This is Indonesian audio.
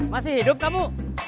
masih hidup kamu